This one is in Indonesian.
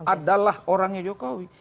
adalah orangnya jokowi